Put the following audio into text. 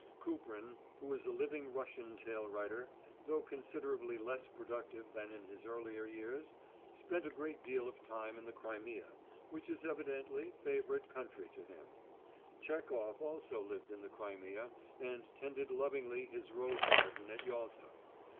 Kuprin, who is a living Russian tale writer, though considerably less productive than in his earlier years, spent a great deal of time in the Crimea, which is evidently favourite country to him. Chekhof also lived in the Crimea and tended lovingly his rose garden at Yalta.